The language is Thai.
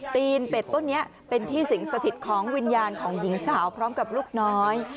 ตีนเป็ดต้นนี้เป็นที่สิงสถิตของวิญญาณของหญิงสาวพร้อมกับลูกน้อย